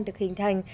được hình thành